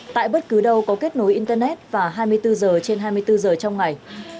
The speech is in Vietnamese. tại bất cứ đâu có kết nối internet và hai mươi bốn h trên hai mươi bốn giờ trong ngày